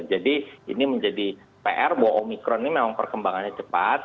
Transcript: jadi ini menjadi pr bahwa omikron ini memang perkembangannya cepat